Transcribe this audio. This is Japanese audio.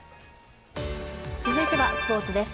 続いてはスポーツです。